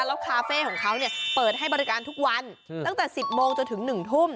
แล้วคาเฟ่ของเขาเนี่ยเปิดให้บริการทุกวันตั้งแต่๑๐โมงจนถึง๑ทุ่ม